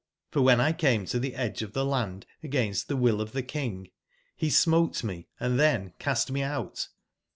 for wben X came to tbe edge of tbe land against tbe will of tbe King, be smote me, and tben cast me out.